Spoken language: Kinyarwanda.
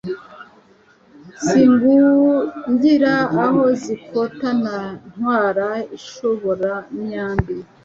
Singungira aho zikotana ntwara inshoboramyambi